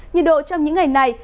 nhiệt độ trong những ngày này